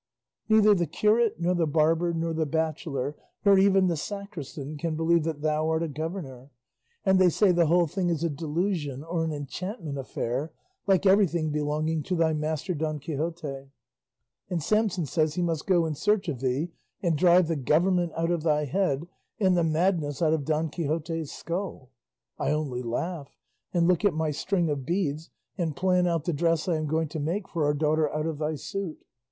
Neither the curate, nor the barber, nor the bachelor, nor even the sacristan, can believe that thou art a governor, and they say the whole thing is a delusion or an enchantment affair, like everything belonging to thy master Don Quixote; and Samson says he must go in search of thee and drive the government out of thy head and the madness out of Don Quixote's skull; I only laugh, and look at my string of beads, and plan out the dress I am going to make for our daughter out of thy suit.